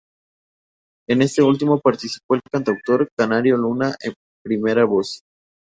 En este último, participó el cantautor Canario Luna en primera voz.